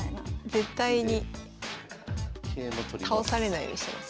絶対に倒されないようにしてますね。